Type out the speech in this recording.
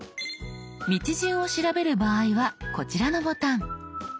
道順を調べる場合はこちらのボタン。